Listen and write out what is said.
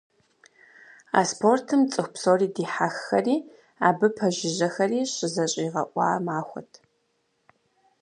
А спортым цӏыху псори - дихьэххэри абы пэжыжьэхэри - щызэщӏигъэуӏуа махуэт.